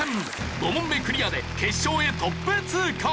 ５問目クリアで決勝へトップ通過。